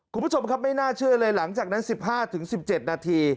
คุณผู้ชมครับไม่น่าเชื่อเลยหลังจากนั้น๑๕๑๗นาที